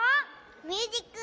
ミュージック。